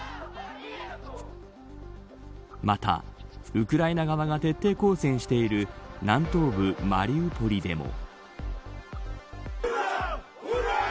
またウクライナ側が徹底抗戦している南東部マリウポリでも。